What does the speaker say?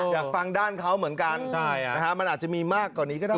อยากฟังด้านเขาเหมือนกันมันอาจจะมีมากกว่านี้ก็ได้